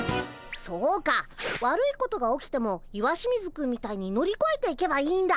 そうか悪いことが起きても石清水くんみたいに乗りこえていけばいいんだ。